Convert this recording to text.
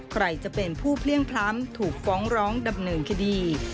ใครจะเป็นผู้เพลี่ยงพล้ำถูกฟ้องร้องดำเนินคดี